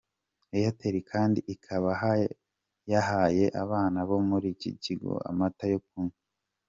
Airtel kandi ikaba yahaye abana bo muri iki kigo amata yo kunywa.